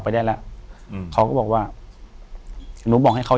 อยู่ที่แม่ศรีวิรัยิลครับ